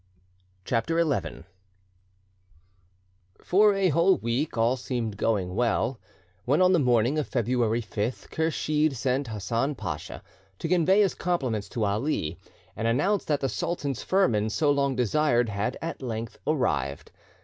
CHAPTER XI For a whole week all seemed going well, when, on the morning of February 5th, Kursheed sent Hassan Pacha to convey his compliments to Ali, and announce that the sultan's firman, so long desired, had at length arrived.